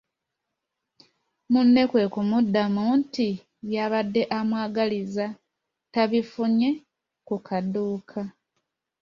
Munne kwe kumuddamu nti by’abadde amwagaliza tabifunye ku kaduuka.